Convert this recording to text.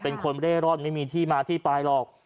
เป็นคนเร่ร่อนไม่มีที่มาที่ไปหรอก